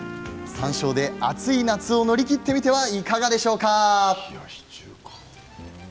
山椒で暑い夏を乗り切ってみてはいかがでしょう。